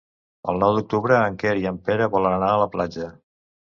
El nou d'octubre en Quer i en Pere volen anar a la platja.